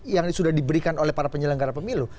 yang sudah diberikan oleh para penyelenggara pemilu